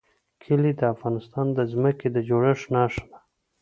کلي د افغانستان د ځمکې د جوړښت نښه ده.